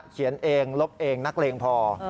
เขียนเองลบเองนักเลงพอ